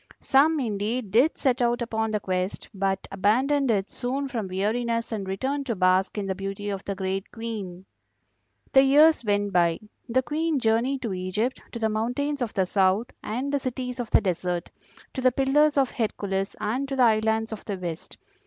Some, indeed, did set out upon the quest, but abandoned it soon from weariness and returned to bask in the beauty of the great Queen. "The years went by. The Queen journeyed to Egypt, to the mountains of the South, and the cities of the desert; to the Pillars of Hercules and to the islands of the West.